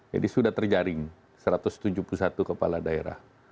jadi sudah terjaring satu ratus tujuh puluh satu kepala daerah